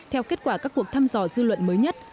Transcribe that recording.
theo kết quả các cuộc thăm dò dư luận mới nhất